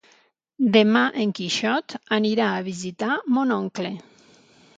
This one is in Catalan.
Demà en Quixot anirà a visitar mon oncle.